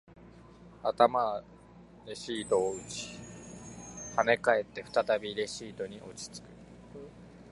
頭はシートを打ち、跳ね返って、再びシートに落ち着く